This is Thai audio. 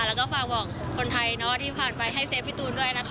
แล้วก็ฝากบอกคนไทยที่ผ่านไปให้เซฟพี่ตูนด้วยนะคะ